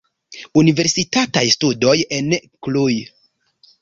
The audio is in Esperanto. Universitataj studoj en Cluj.